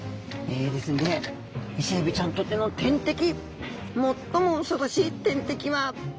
ですのでイセエビちゃんにとっての天敵最も恐ろしい天敵はマダコちゃんです。